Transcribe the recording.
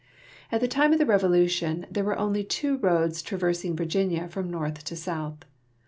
At the time of the Revolution there were only two roads traversing Vii'ginia from north to south.